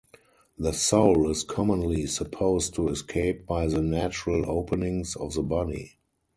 The soul is commonly supposed to escape by the natural openings of the body.